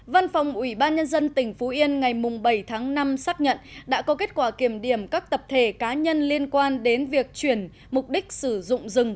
văn phòng ủy ban nhân dân tỉnh phú yên ngày bảy tháng năm xác nhận đã có kết quả kiểm điểm các tập thể cá nhân liên quan đến việc chuyển mục đích sử dụng rừng